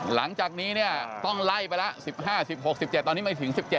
หลังจากนี้เนี่ยต้องไล่ไปแล้ว๑๕๑๖๑๗ตอนนี้ไม่ถึง๑๗